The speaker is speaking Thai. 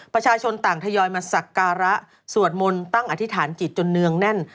ประชาชนต่างทยอยมาสักการะสวดมนต์ตั้งอธิษฐานจิตจนเนืองแน่น